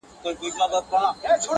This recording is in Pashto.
تر ورخ تېري اوبه بيرته نه را گرځي.